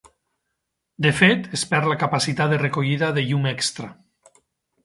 De fet, es perd la capacitat de recollida de llum extra.